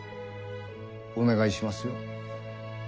お願いしますよ。